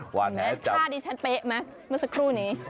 หวานแหจับถ้าดีชันเป๊ะไหมเมื่อสักครู่นี้